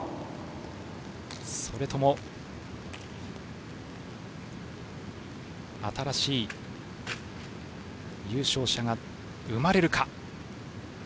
それとも新しい優勝者が生まれるか。